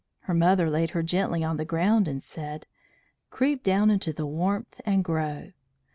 Her mother laid her gently on the ground and said: "Creep down into the warmth and grow."